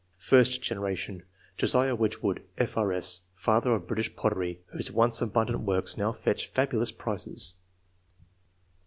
First generation.' — Josiah Wedgewood, F.R.S., " Father of British Pottery," whose once abund ant works now fetch fabulous prices.